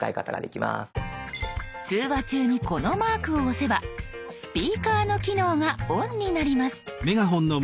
通話中にこのマークを押せばスピーカーの機能がオンになります。